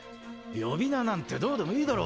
呼び名なんてどうでもいいだろ。